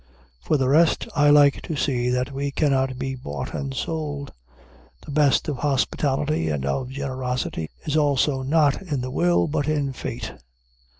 For the rest, I like to see that we cannot be bought and sold. The best of hospitality and of generosity is also not in the will, but in fate.